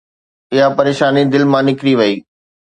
اها پريشاني دل مان نڪري وئي.